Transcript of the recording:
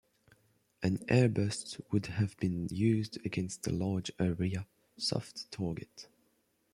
An air burst would have been used against a large area, soft target.